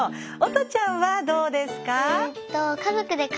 音ちゃんはどうですか？